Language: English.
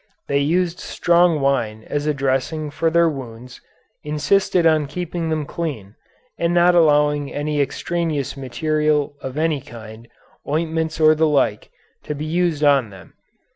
They used strong wine as a dressing for their wounds, insisted on keeping them clean, and not allowing any extraneous material of any kind, ointments or the like, to be used on them.